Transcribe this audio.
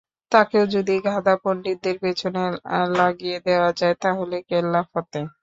তাকেও যদি গাধা পণ্ডিতের পেছনে লাগিয়ে দেওয়া যায়, তাহলে কেল্লা ফতে।